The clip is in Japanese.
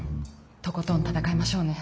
とことん戦いましょうね。